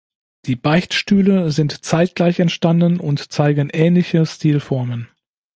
Die Beichtstühle sind zeitgleich entstanden und zeigen ähnliche Stilformen.